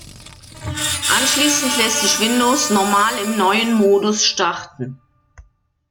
Anschließend lässt sich Windows normal im neuen Modus starten.